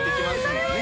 もんね